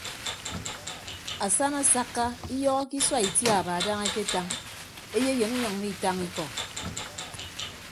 Asana asakka iyọhọke isua itiaba dana eketañ eyeyịn inyʌññọ itañ ikọ.